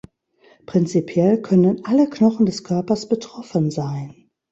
Prinzipiell können alle Knochen des Körpers betroffen sein.